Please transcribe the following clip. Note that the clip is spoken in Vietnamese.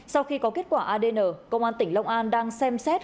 sau khi có kết quả adn công an tỉnh long an đang xem xét